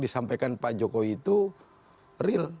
disampaikan pak jokowi itu real